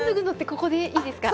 ここでいいですか？